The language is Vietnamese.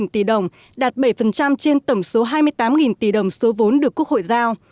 tổng số hai mươi tám tỷ đồng số vốn được quốc hội giao